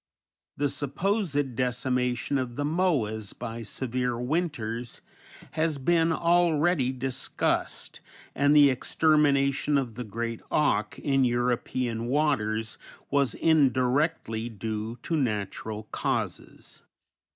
The supposed decimation of the Moas by severe winters has been already discussed, and the extermination of the great auk in European waters was indirectly due to natural causes.